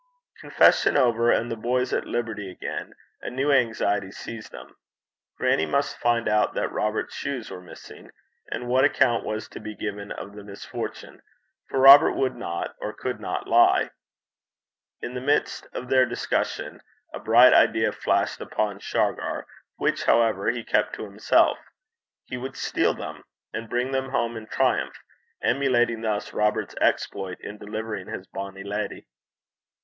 Confession over, and the boys at liberty again, a new anxiety seized them. Grannie must find out that Robert's shoes were missing, and what account was to be given of the misfortune, for Robert would not, or could not lie? In the midst of their discussion a bright idea flashed upon Shargar, which, however, he kept to himself: he would steal them, and bring them home in triumph, emulating thus Robert's exploit in delivering his bonny leddy.